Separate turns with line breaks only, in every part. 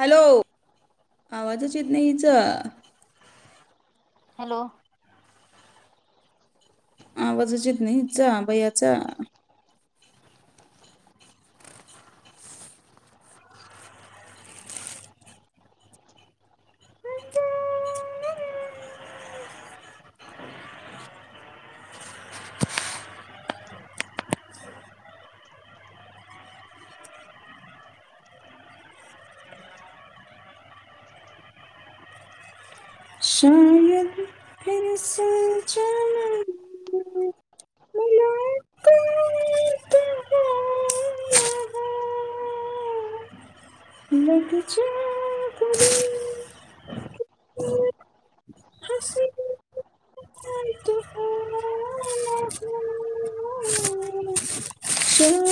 Hello! आवाजच येत नाही हिच.
हॅलो!
आवाजच येत नाही हिचा बयाचा. शायद फिर से जन्म मुलाकात हो यहाँ। लग जा गले, हंसी आई तो आना हो। शायद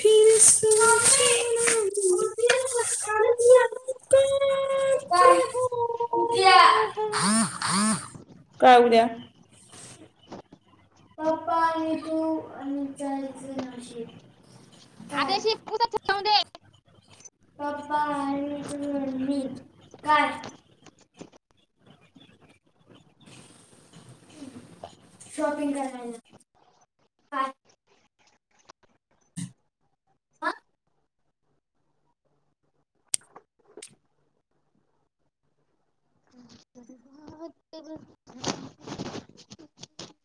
फिर से जन्म मुलाकात काय उद्या?
आता [inaudible] [inaudible]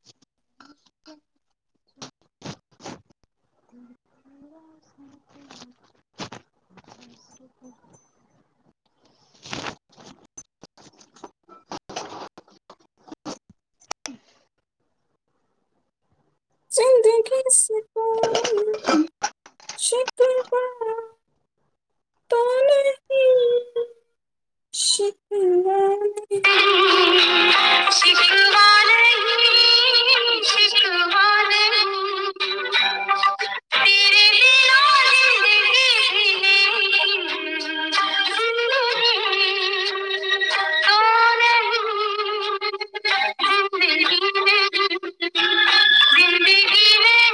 जिंदगी से कोई शिकवा तो नहीं शिकवावी. जिंदगी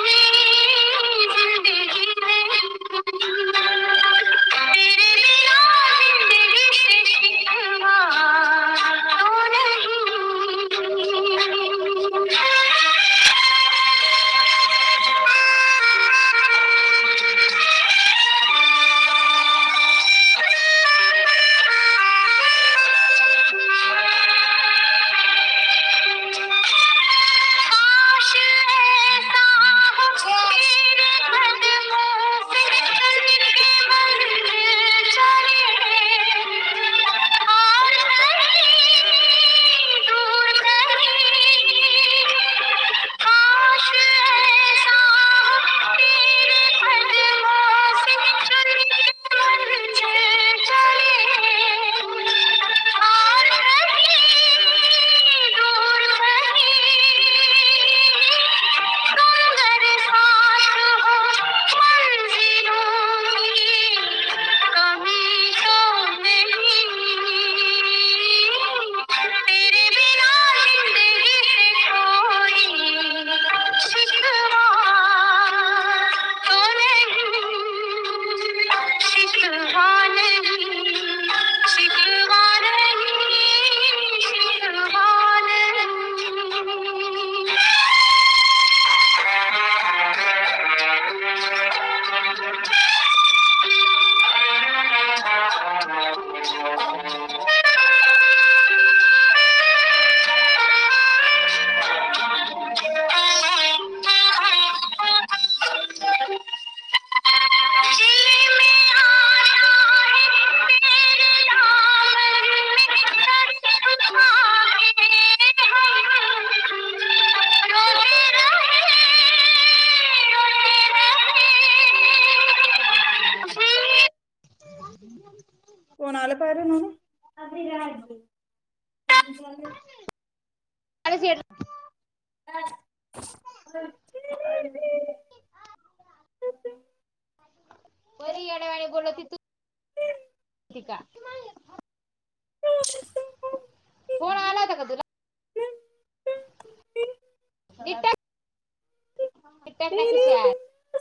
में तेरे बिना जिंदगी से शिकवा तो नहीं काश ऐसा हो मेरे कदमों से दूर कहीं सुंदर सा तेरे बिना जिंदगी से कोई शिकवा तो नहीं शिकवा नहीं शिकवा नहीं शिकवा नहीं कोण आलं पाहिजे म्हणून
[inaudible] काळे सेड. [inaudible]
[inaudible]
बरी येड्यावानी बोलते तू. ठिका. [unintelligible] फोन आला होता का, तुला? ही टाक ही टाकना खिश्यात [unintelligible]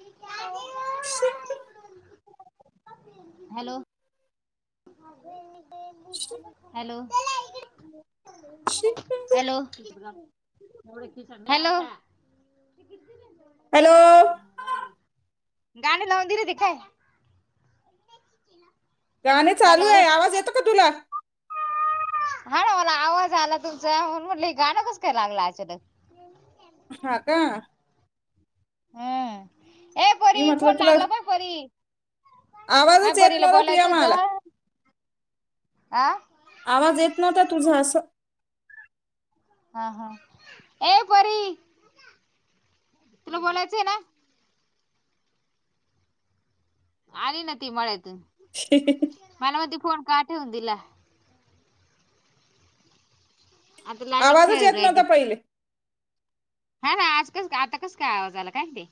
[inaudible] हॅलो? हॅलो? हॅलो? हॅलो? ते कितीने
हॅलो
[unintelligible] गाणे लावंन दिलेती काय? [unintelligible]
गाणे चालू
हॅलो
आहे, आवाज येतों का तुला?
[inaudible] हा ना, मला आवाज आला तुमचा म्हणून म्हटलं, गाणं कस काय लागलं अचानक? -
ह का?
हम्
मी म्हटलं तुला
ऐ
आवाजच येत
परीला
नव्हता
बोलायचं
तुझ्या मला
होतं ह
आवाज येत नव्हता तुझं असं
ह हा ए परी तुला बोलायचं आहे ना आली ना ती मळ्यातून
[inaudible]
मला म्हणते फोन का ठेवून दिला. आता लागली
आवाजच
खेळू
येत
राहिली
नव्हता पहिले
हा ना आज कस आता कस काय आवाज आला काय ते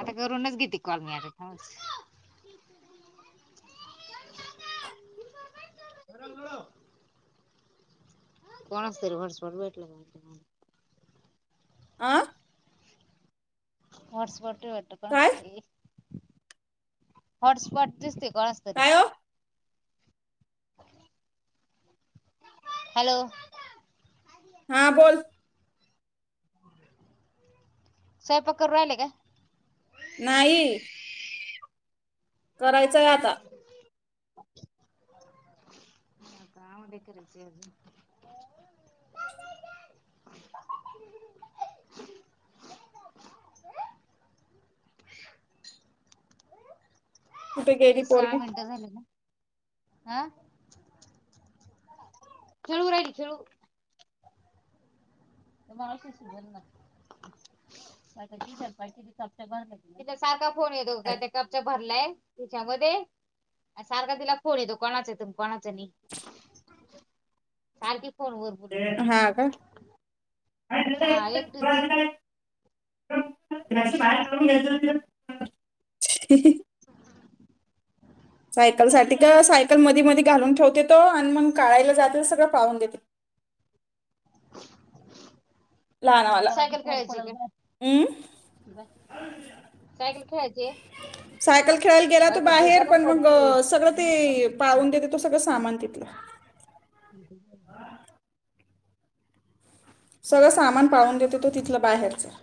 आता करूनच घेते कॉल मी आता थांबा [unintelligible] कोण असत र वरसफट भेटलं पा
आ
हॉटस्पॉट वाटतय कोणच
काय
ते हॉटस्पॉट दिसते कोणाचं तरी
काय हो
हॅलो
हा बोल
स्वयंपाक करून राहिले काय
नाहीई करायचंय आता
[inaudible] हकामुळे दे करीच अजून [inaudible] [unintelligible]
कुठे
इ
गेली
सहा
पोरगी
मिनटं झाले ना हं आ खिळव राहिल खिळू त्या मावशीशी बोल ना ति सारखा फोन येतो का त्या कपच भरलाय तिच्यामध्ये सारखा तिला फोन येतो कोणाच त कोणाचं नाही सारखी फोन वर बोलत
हा का
म्हण
[unintelligible] [unintelligible] सायकल साठी का सायकल मधी मध घालून ठेवतेेतो आणि मग काळायला जाते. तर सगळं पाळून देते
[unintelligible]
लहानवाला
सायकल खेळायचे
हम्म
का सायकल खेळायचे
सायकल खेळायला गेला तो बाहेर पण मग
पडते
सगळं ते पाळून देते तो सगळं सामान तिथलं
[unintelligible]
सगळं सामान पाळून देते तो तिथलं बाहेरचा [inaudible]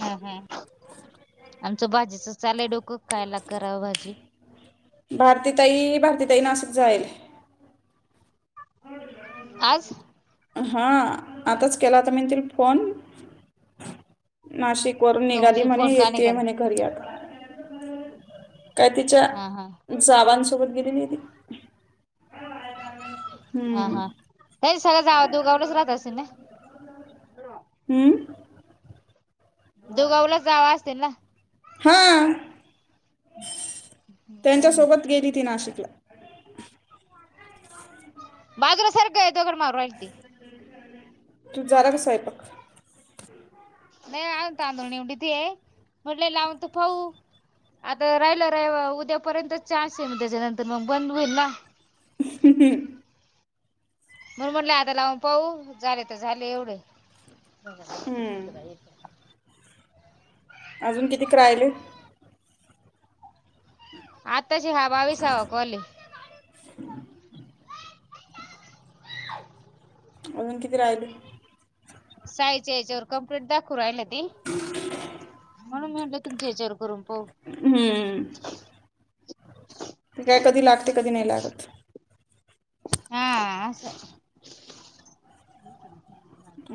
हा आमचं भाजीच चालय डोकं कायला करावं भाजी
भारती तई भारती ताई [unintelligible] जायल
आज
हा आताच केलाता मीतील फोन नाशिक करून
का
निघाली
म्हणशील
म्हणे
फोन का नाही
येतेय म्हणे
केला
घरी आता काय तिच्या
हा हा
जावांसोबत गेलेली ती
[inaudible] हा
हम्म.
हा ये सगळ्या जावा दुगावलच राहत असतील नाय
[unintelligible]
दुगावला जावा असतील ना.
हं
काय नाही
त्यांच्यासोबत गेली ती नाशिकला
बाजूला सरख गं दगड मारू राहिल ती
तुजं झालं काय स्वयंपाक
नाही आ तांदूळ निवडीतेये म्हटले लावून त पाऊ आता राहिलं रहि उद्यापर्यंतच चान्स येई ना त्याच्यानंतर मग बंद होईल ना
[unintelligible]
मण म्हटले आता लावून पाहू झाले तर झाले एवढे. [inaudible]
हम्म. अजून किती करायले!
आताची हा बावीसावा कॉल हें
अजून किती राहिले
साईज याच्यावर कंप्लीट दाखवू राहिल ती, म्हणून मी तुमच्या हेचेवर करून पाहू
हम्म [inaudible] कधी लागते कधी नाही लागत
हा आस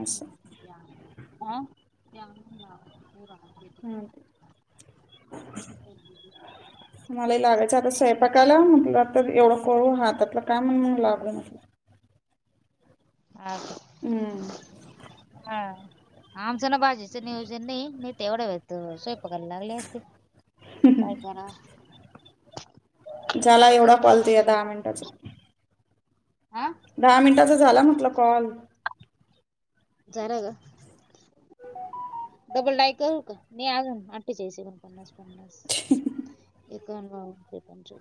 असं
[inaudible] आ
हं मला लागायचं आता स्वयंपाकाला म्हटलं आता एवढं करू हात त्यातलं काय म्हण लागलं म्हटल
हा का?
हम्म
हा आमचं ना भाजीचं नियोजन नाही मी तेवढं वेल तर स्वय कर लागले असते काय करा
झाला एवढा कॉलच आहे दहा मिनिटाचा
हा
दहा मिनटाचा झाला म्हटलं कॉल
झालं का लाई करू का नाही अजून आट्ठेचालीस पन्नास पन्नास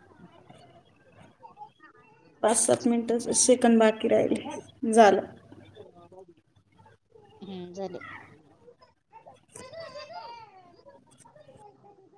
[inaudible]
पाच
पंचावन्न
सात
छप्पन्न
मिनिटच
सत्तावन्न
सेकंड बाकी राहिल झालं
हम्म झाले